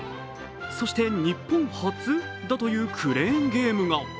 そして日本初？だというクレーンゲームが。